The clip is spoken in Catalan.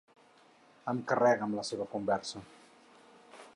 Em carrega amb la seva conversa.